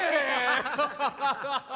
ハハハハ。